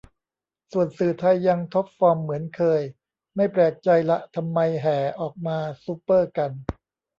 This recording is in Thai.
ส่วนสื่อไทยยังท็อปฟอร์มเหมือนเคย ไม่แปลกใจละทำไมแห่ออกมาซูเปอร์กัน